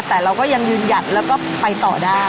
แต่เราก็ยังยืนหยัดแล้วก็ไปต่อได้